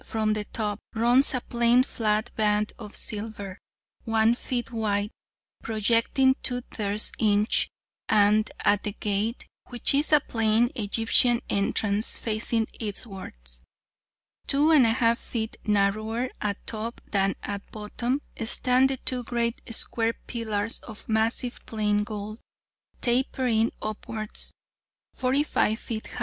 from the top, runs a plain flat band of silver, 1 ft. wide, projecting 2/3 in., and at the gate, which is a plain Egyptian entrance, facing eastwards, 2 1/2 ft. narrower at top than at bottom, stand the two great square pillars of massive plain gold, tapering upwards, 45 ft.